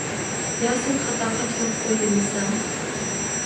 يا سەن خاتا قاچىلاپ قوي دېمىسەڭ.